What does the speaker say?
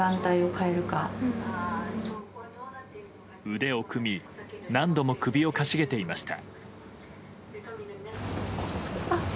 腕を組み何度も首をかしげていました。